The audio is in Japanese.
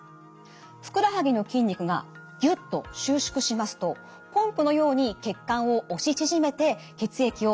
ふくらはぎの筋肉がギュッと収縮しますとポンプのように血管を押し縮めて血液を下から上に運びます。